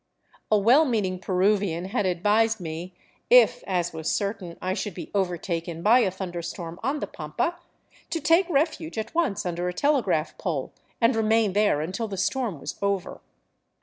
A well meaning Peruvian had advised me, if, as was certain,. I should be overtaken by a thunder storm on the pampa, to take refuge at once under a telegraph pole and remain there until the storm was over.